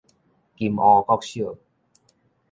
金湖國小